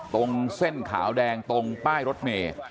ตรงเส้นขาวแดงตรงป้ายรถเมย์